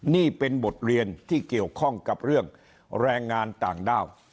นี่เป็นบทเรียนที่เกี่ยวข้องกับเรื่องแรงงานต่างด้าว